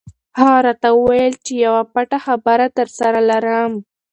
هغه راته وویل چې یوه پټه خبره درسره لرم.